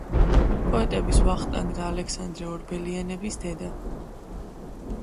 პოეტების ვახტანგ და ალექსანდრე ორბელიანების დედა.